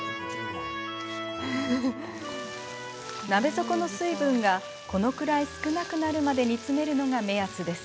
鍋底の水分がこのくらい少なくなるまで煮詰めるのが目安です。